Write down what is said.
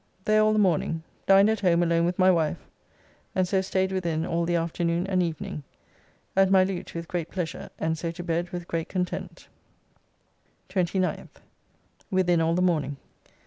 There all the morning. Dined at home alone with my wife, and so staid within all the afternoon and evening; at my lute, with great pleasure, and so to bed with great content. 29th. Within all the morning.